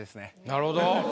なるほど。